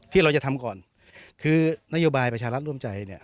ที่เราจะทำก่อนคือนโยบายประชารัฐร่วมใจเนี่ย